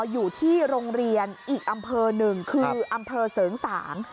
อยู่ที่โรงเรียนอีกอำเภอหนึ่งคืออำเภอเสริงสาง